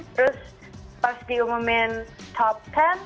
terus pas diumumin top sepuluh